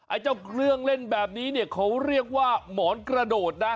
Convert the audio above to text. ไอ้เจ้าเครื่องเล่นแบบนี้เนี่ยเขาเรียกว่าหมอนกระโดดนะ